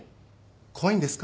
怖いんですか？